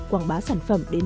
quảng bá sản phẩm đến